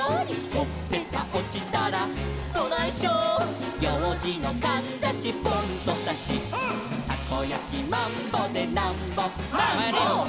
「ほっぺたおちたらどないしょー」「ようじのかんざしポンとさし」「たこやきマンボでなんぼマンボ」「マヨネーズもな！」